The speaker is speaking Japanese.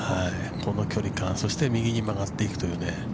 ◆この距離感、そして右に曲がっていくというね。